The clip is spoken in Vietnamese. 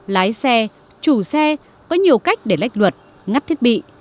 lái xe chủ xe có nhiều cách để lách luật ngắt thiết bị